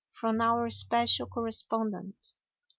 (From our Special Correspondent.)